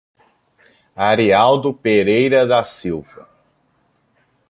Arialdo Pereira da Silva